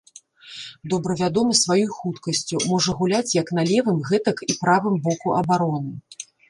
Добра вядомы сваёй хуткасцю, можа гуляць як на левым, гэтак і правым боку абароны.